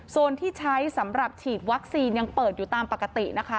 ส่วนที่ใช้สำหรับฉีดวัคซีนยังเปิดอยู่ตามปกตินะคะ